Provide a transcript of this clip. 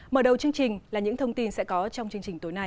mở đầu chương trình là những thông tin sẽ có trong chương trình tối nay